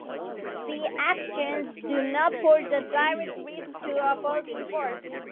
Their actions do not pose a direct risk to opposing forces.